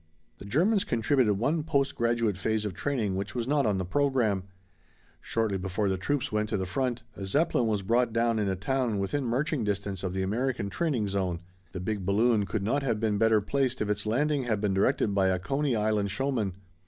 The Germans contributed one post graduate phase of training which was not on the program. Shortly before the troops went to the front a Zeppelin was brought down in a town within marching distance of the American training zone. The big balloon could not have been better placed if its landing had been directed by a Coney Island showman.